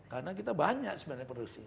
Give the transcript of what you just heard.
karena kita banyak sebenarnya produksi